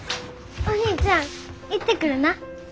お兄ちゃん行ってくるな。